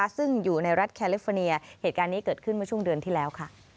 ซึ่งอยู่ในรัฐแคลิฟอร์เนียเหตุการณ์นี้เกิดขึ้นเมื่อช่วงเดือนที่แล้ว